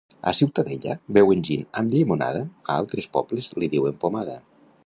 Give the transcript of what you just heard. A Ciutadella beuen gin amb llimonada a altres pobles li diuen pomada